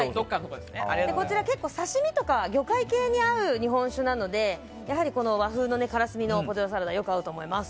こちら、結構刺し身とか魚会系に合う日本酒なので、和風のからすみのポテトサラダがよく合うと思います。